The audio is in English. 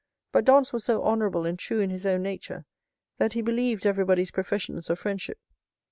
But Dantès was so honorable and true in his own nature, that he believed everybody's professions of friendship.